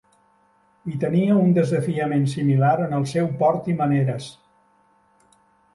I tenia un desafiament similar en el seu port i maneres.